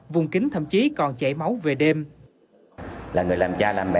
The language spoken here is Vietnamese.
vùng kính thậm chí còn chảy máu về đêm